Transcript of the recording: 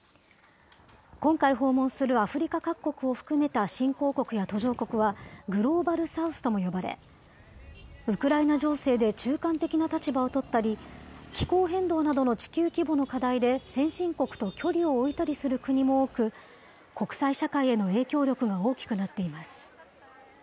今回訪問するアフリカ各国を含めた新興国や途上国は、グローバル・サウスとも呼ばれ、ウクライナ情勢で中間的な立場を取ったり、気候変動などの地球規模の課題で先進国と距離を置いたりする国も多く、国際社会への影響力が大きくなっています。